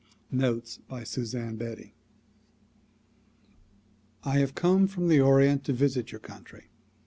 Notes by Suzanne Beatty T HAVE come from the Orient to visit your country.